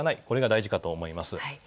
これが大事かと思います。